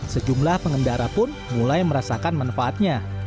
sejumlah pengendara pun mulai merasakan manfaatnya